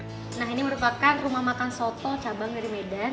nah ini merupakan rumah makan soto cabang dari medan